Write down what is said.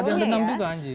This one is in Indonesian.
ada yang dendam juga anjing